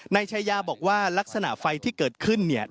นายชายาบอกว่าลักษณะไฟที่เกิดขึ้นเนี่ย